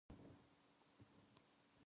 ショーシャンクの空に